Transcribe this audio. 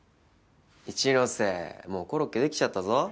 一ノ瀬もうコロッケできちゃったぞ。